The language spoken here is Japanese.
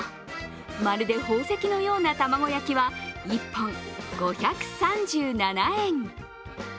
まるで宝石のような卵焼きは１本５３７円。